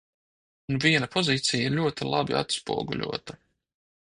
Un viena pozīcija ir ļoti labi atspoguļota.